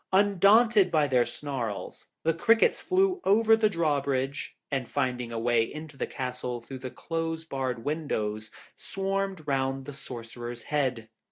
Undaunted by their snarls, the crickets flew over the draw bridge, and finding a way into the castle through the close barred windows, swarmed round the Sorcerer's head.